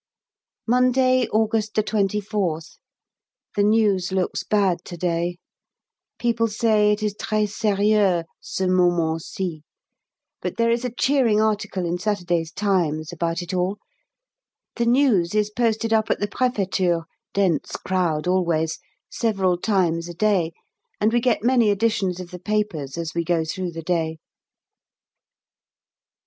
Monday, August 24th. The news looks bad to day; people say it is très sérieux, ce moment ci; but there is a cheering article in Saturday's 'Times' about it all. The news is posted up at the Préfeture (dense crowd always) several times a day, and we get many editions of the papers as we go through the day.